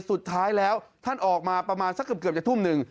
สุดท้ายแล้วท่านออกมาประมาณสักเกือบจะทุ่มหนึ่ง